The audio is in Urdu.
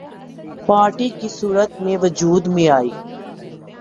پارٹی کی صورت میں وجود میں آئی